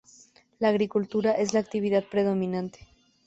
La agricultura es la actividad predominante.